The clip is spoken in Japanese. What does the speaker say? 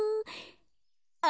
あ。